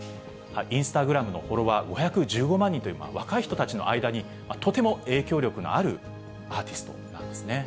インスタグラムのフォロワー５１５万人という、若い人たちの間にとても影響力のあるアーティストなんですね。